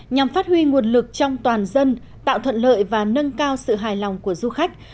nhằm phát huy nguồn lực trong toàn dân tạo thuận lợi và nâng cao sự hài lòng của du khách